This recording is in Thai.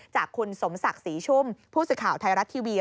จากคุณสมศักดิ์ศรีชุ่มผู้สื่อข่าวไทยรัฐทีวี